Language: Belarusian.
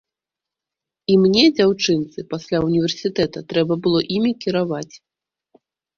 І мне, дзяўчынцы пасля ўніверсітэта, трэба было імі кіраваць.